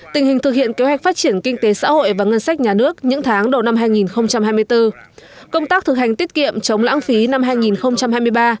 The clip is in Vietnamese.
tình hình thực hiện kế hoạch phát triển kinh tế xã hội và ngân sách nhà nước những tháng đầu năm hai nghìn hai mươi bốn công tác thực hành tiết kiệm chống lãng phí năm hai nghìn hai mươi ba